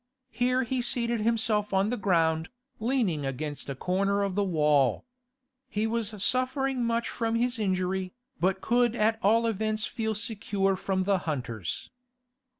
Here he seated himself on the ground, leaning against a corner of the wall. He was suffering much from his injury, but could at all events feel secure from the hunters.